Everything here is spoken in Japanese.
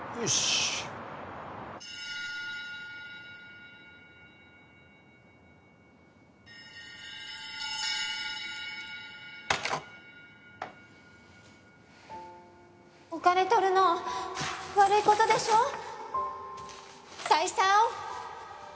しっお金とるの悪いことでしょ？